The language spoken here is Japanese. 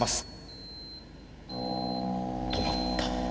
止まった。